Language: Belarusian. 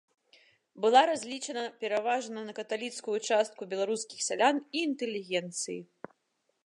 Была разлічана пераважна на каталіцкую частку беларускіх сялян і інтэлігенцыі.